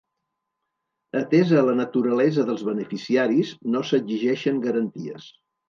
Atesa la naturalesa dels beneficiaris, no s'exigeixen garanties.